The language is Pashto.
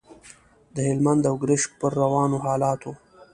د هلمند او ګرشک پر روانو حالاتو.